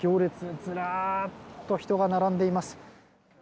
ずらっと人が並んでいます。